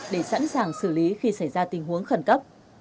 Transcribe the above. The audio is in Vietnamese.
để sẵn sàng xử lý khi xảy ra tình huống khẩn cấp